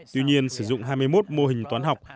tuy nhiên sử dụng hai mươi một mô hình toán học